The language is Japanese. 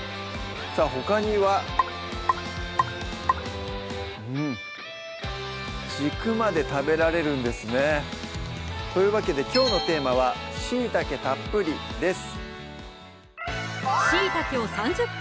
さぁほかにはうん軸まで食べられるんですねというわけできょうのテーマは「しいたけたっぷり！」です